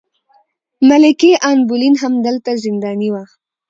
ملکې ان بولین هم دلته زنداني وه.